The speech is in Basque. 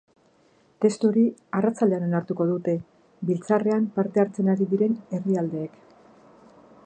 Testu hori arratsaldean onartuko dute biltzarrean parte hartzen ari diren herrialdeek.